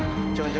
kami diserahin ya